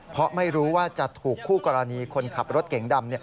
เพราะไม่รู้ว่าจะถูกคู่กรณีคนขับรถเก๋งดำ